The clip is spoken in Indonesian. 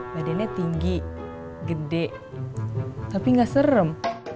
badannya tinggi gede tapi nggak serem